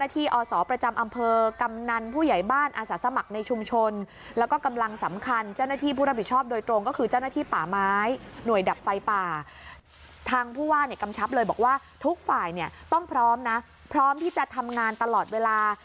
ทางผู้ว่ากำชับเลยบอกว่าทุกฝ่ายเนี่ยต้องพร้อมนะพร้อมที่จะทำงานตลอดเวลา